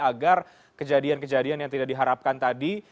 agar kejadian kejadian yang tidak diharapkan tadi